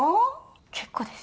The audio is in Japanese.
結構です。